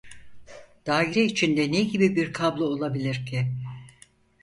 Daire içinde ne gibi bir kablo olabilir ki